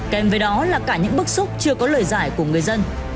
kèm với đó là cả những bức xúc chưa có lời giải của người dân